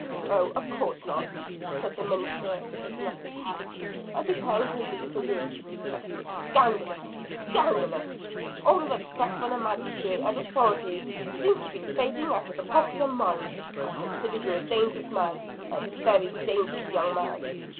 "Oh, of course not," said the minister, taking up his hat, and preparing to leave the room; "but it is scandalous! scandalous! All respect for the Magistracy and authority seems to be fading out of the popular mind. I consider you a dangerous man, a very dangerous young man!"